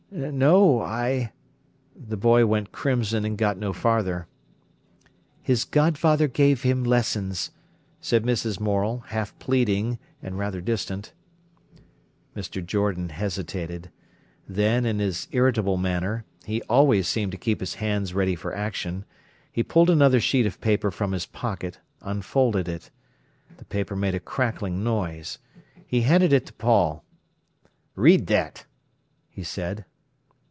"No—I—" The boy went crimson and got no farther. "His godfather gave him lessons," said Mrs. Morel, half pleading and rather distant. Mr. Jordan hesitated. Then, in his irritable manner—he always seemed to keep his hands ready for action—he pulled another sheet of paper from his pocket, unfolded it. The paper made a crackling noise. He handed it to Paul. "Read that," he said.